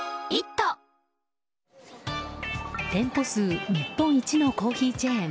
店舗数日本一のコーヒーチェーン